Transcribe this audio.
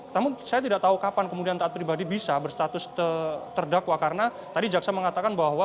namun saya tidak tahu kapan kemudian taat pribadi bisa berstatus terdakwa karena tadi jaksa mengatakan bahwa